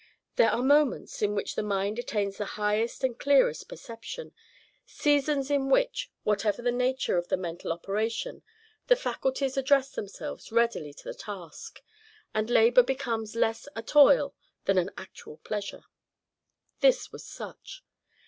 There are moments in which the mind attains the highest and clearest perception, seasons in which, whatever the nature of the mental operation, the faculties address themselves readily to the task, and labor becomes less a toil than an actual pleasure. This was such.